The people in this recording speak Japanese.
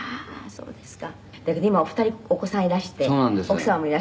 そうですね」